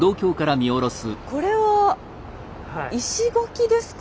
これは石垣ですか？